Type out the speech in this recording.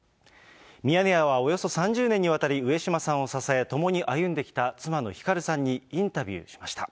ミヤネ屋はおよそ３０年にわたり、上島さんを支え、共に歩んできた妻のひかるさんにインタビューしました。